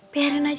biarin aja gue